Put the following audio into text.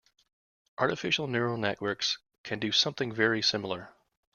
Artificial neural networks can do something very similar.